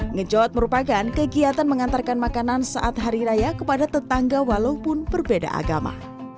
ngejot merupakan kegiatan mengantarkan makanan saat hari raya kepada tetangga walaupun berbeda agama